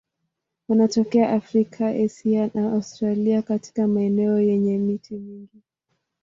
Wanatokea Afrika, Asia na Australia katika maeneo yenye miti mingi.